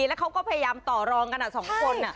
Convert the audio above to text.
แล้วเขาก็พยายามต่อรองกัน๒คน